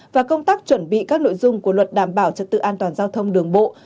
và công tác chuẩn bị các nội dung của luật đảm bảo trật tự an toàn giao thông đường bộ